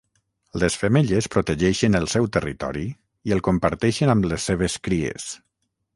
Les femelles protegeixen el seu territori i el comparteixen amb les seves cries.